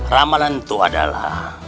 ramalan itu adalah